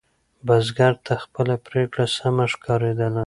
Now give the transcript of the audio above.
بزګر ته خپله پرېکړه سمه ښکارېدله.